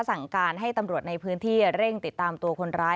สั่งการให้ตำรวจในพื้นที่เร่งติดตามตัวคนร้าย